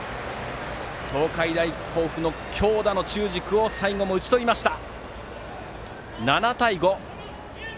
東海大甲府の強打の中軸を最後も打ち取りました。